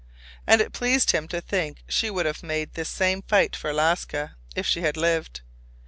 And it pleased him to think she would have made this same fight for Alaska if she had lived.